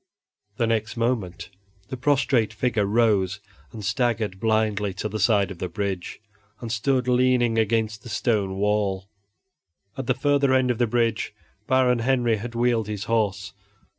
The next moment the prostrate figure rose and staggered blindly to the side of the bridge, and stood leaning against the stone wall. At the further end of the bridge Baron Henry had wheeled his horse.